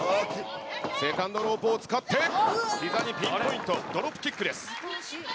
セカンドロープを使って、ひざにピンポイント、ドロップキックです。